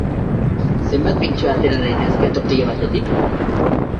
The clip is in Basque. Zenbat pintxo atera daitezke tortila batetik?